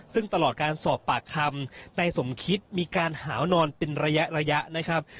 ซึ่งตลอดการสอบปากคำนายสมคิตมีการหาวนอนเป็นระยะระยะนะครับ